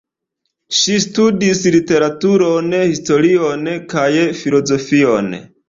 Ŝi studis literaturon, historion kaj filozofion.